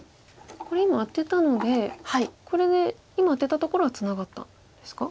これ今アテたのでこれで今アテたところはツナがったんですか？